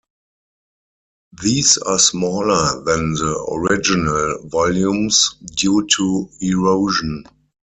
These are smaller than the original volumes due to erosion.